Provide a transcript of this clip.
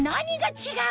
違う。